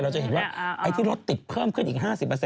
จะเห็นว่าไอ้ที่รถติดเพิ่มขึ้นอีก๕๐